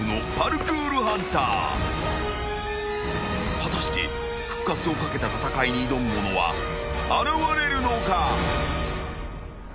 ［果たして復活を懸けた戦いに挑む者は現れるのか？］